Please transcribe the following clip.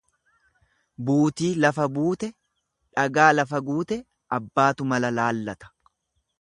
Buutii lafa buute dhagaa lafa guute abbaatu mala laallata.